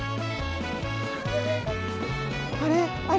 あれ？